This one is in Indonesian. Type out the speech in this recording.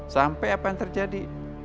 sampai apa yang terjadi